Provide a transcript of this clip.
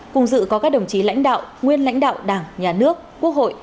cùng dự có các đồng chí lãnh đạo nguyên lãnh đạo đảng nhà nước quốc hội